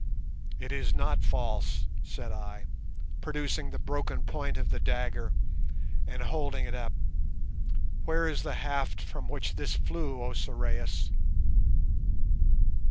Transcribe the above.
"It is not false," said I, producing the broken point of the dagger and holding it up. "Where is the haft from which this flew, oh Sorais?"